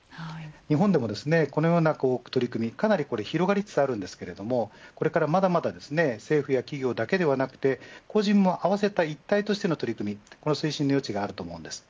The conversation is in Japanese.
日本でもこのような取り組み広がりつつありますがこれからまだまだ政府や企業だけではなく個人も合わせた一体としての取り組みとして推進の余地があります。